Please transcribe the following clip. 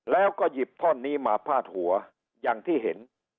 แล้วก็หยิบท่อนนี้มาพาดหัวอย่างที่เห็น